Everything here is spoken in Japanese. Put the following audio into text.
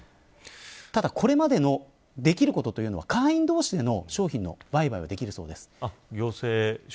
ただ、これまでのできることというのは会員同士での商品の売買はできるそうです。